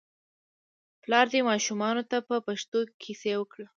پلار دې ماشومانو ته په پښتو کیسې وکړي.